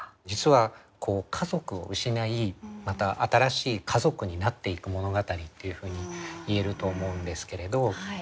実は家族を失いまた新しい家族になっていく物語というふうに言えると思うんですけれど。